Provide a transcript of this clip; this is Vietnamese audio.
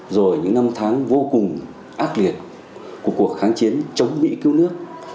rồi những năm tháng vô cùng ác liệt của cuộc kháng chiến chống mỹ cứu nước